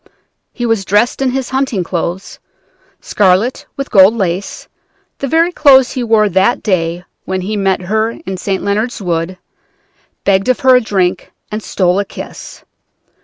He was dressed in his hunting clothes, scarlet with gold lace, the very clothes he wore that day when he met her in St. Leonard's Wood, begged of her a drink, and stole a kiss.